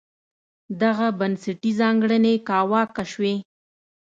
دغه بنسټي ځانګړنې کاواکه شوې.